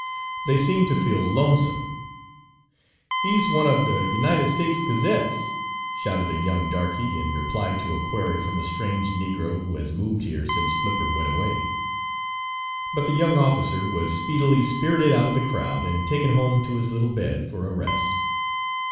They seemed to feel lonesome. "'He's one ob de United States Gazettes!' shouted a young darkey, in reply to a query from a strange negro who has moved here since Flipper went away. "But the young officer was speedily spirited out of the crowd and taken home to his little bed for a rest.